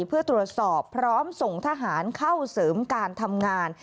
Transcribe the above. เพื่อตรวจสอบพร้อมส่งทหารเข้าเสริมการทำงาน